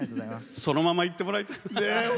そのまま、いってもらいたい。